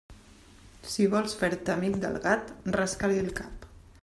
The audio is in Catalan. Si vols fer-te amic del gat, rasca-li el cap.